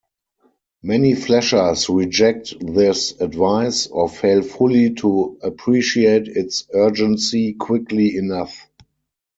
Many fleshers reject this advice, or fail fully to appreciate its urgency quickly enough.